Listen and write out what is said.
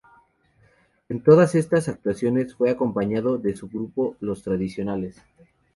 En todas estas actuaciones fue acompañado de su grupo Los Tradicionales.